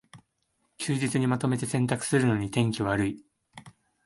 休日にまとめて洗濯するのに天気悪い